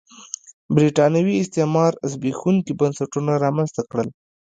برېټانوي استعمار زبېښونکي بنسټونه رامنځته کړل.